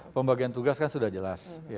pembagian tugas kan sudah jelas